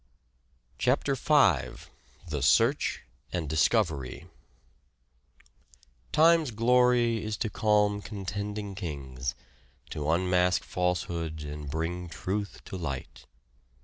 CHAPTER V THE SEARCH AND DISCOVERY " Time's glory is to calm contending Kings, To unmask falsehood and bring truth to light."